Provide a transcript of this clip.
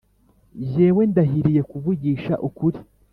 Jyewe ndahiriye kuvugisha ukuri